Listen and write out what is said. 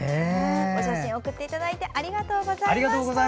お写真送っていただいてありがとうございました。